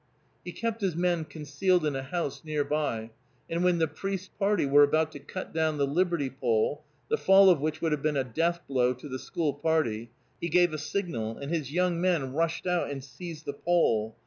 He kept his men concealed in a house near by, and when the priest's party were about to cut down the liberty pole, the fall of which would have been a death blow to the school party, he gave a signal, and his young men rushed out and seized the pole.